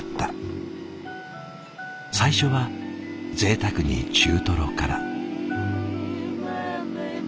最初はぜいたくに中トロから。